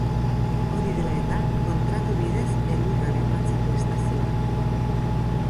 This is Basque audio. Hori dela eta, kontratu bidez elurra bermatzen du estazioak.